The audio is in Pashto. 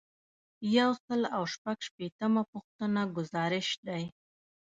یو سل او شپږ شپیتمه پوښتنه ګزارش دی.